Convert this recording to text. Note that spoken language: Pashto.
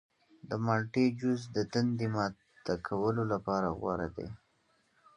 د مالټې جوس د تندې ماته کولو لپاره غوره دی.